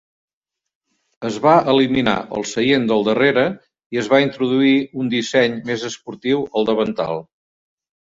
Es va eliminar el seient del darrere i es va introduir un disseny més esportiu al davantal.